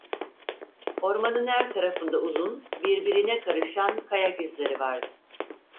Ormanın her tarafında uzun, birbirine karışan kayak izleri vardı.